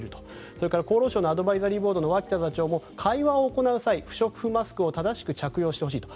それから厚労省のアドバイザリーボードの脇田座長も会話を行う際不織布マスクを正しく着用してほしいと。